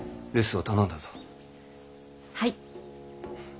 はい。